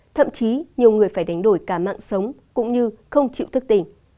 thậm chí nhiều người phải đánh đổi cả mạng sống cũng như không chịu thức tình